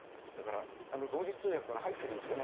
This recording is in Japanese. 同時通訳が入ってるんですよね。